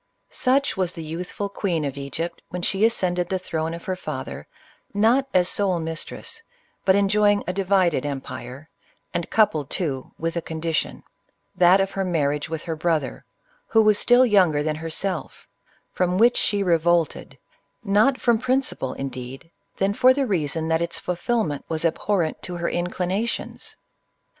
Such was the youthful queen of Egypt when she ascended the throne of her father, not as sole mistress, but enjoying a divided empire, and coupled, too, with a condition, — that of her marriage with her brother, who was still younger than herself, — from which she revolted, less from principle, indeed, than for the rea son that its fulfilment was abhorrent to her inclina tions.